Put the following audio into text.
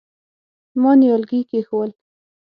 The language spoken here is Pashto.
ما نيالګي کېښوول.